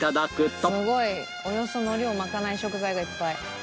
すごいおよそ海苔を巻かない食材がいっぱい。